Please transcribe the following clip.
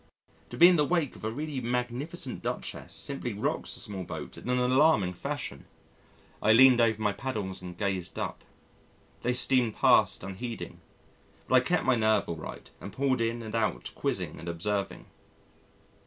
To be in the wake of a really magnificent Duchess simply rocks a small boat in an alarming fashion. I leaned over my paddles and gazed up. They steamed past unheeding, but I kept my nerve all right and pulled in and out quizzing and observing.